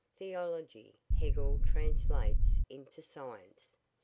Theology, Hegel translates into science.